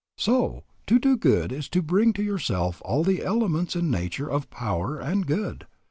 So, to do good is to bring to yourself all the elements in nature of power and good.